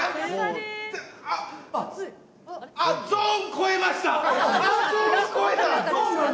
ゾーンこえました！